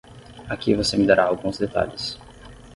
Aqui você me dará alguns detalhes.